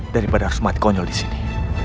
daripada harus mati konyol di sini